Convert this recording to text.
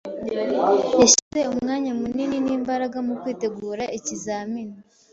Yashyize umwanya munini n'imbaraga mukwitegura ikizamini.